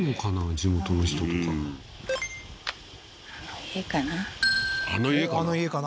地元の人とかあの家かな？